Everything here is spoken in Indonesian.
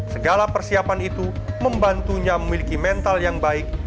segala persiapan itu membantunya memiliki mental yang baik